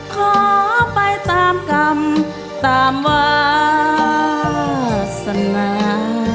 ขอไปตามกรรมตามวาสนา